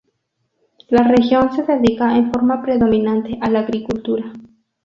La región se dedica en forma predominante a la agricultura.